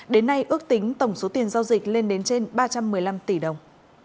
đến nay ước tính tổng số tiền giao dịch lên đến trên ba trăm một mươi năm tỷ đồng